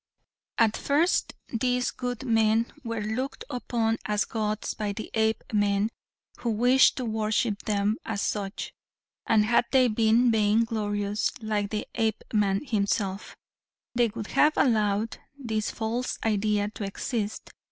"At first, these good men were looked upon as gods by the Apemen who wished to worship them as such, and had they been vain glorious like the Apeman himself, they would have allowed this false idea to exist.